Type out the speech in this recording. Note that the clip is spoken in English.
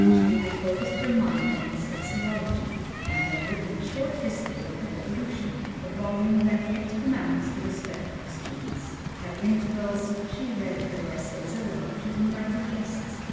She had focused her mind on sociology and had written a short history of the Revolution, a volume that yet commands the respect of students. At intervals she read her essays aloud to invited guests.